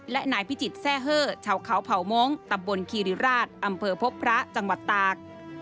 และนายพิจิตรแซ่เฮอร์ชาวเขาเผ่ามงค์ตำบลคีริราชอำเภอพบพระจังหวัดตาก